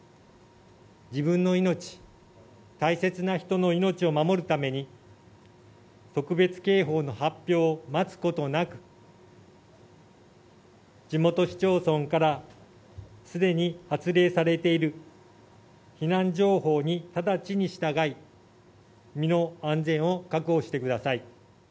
自分の命、大切な人の命を守るために、特別警報の発表を待つことなく、地元市町村からすでに発令されている避難情報に直ちに従い、身の安全を確保してください。